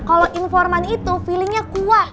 kalo informan itu feelingnya kuat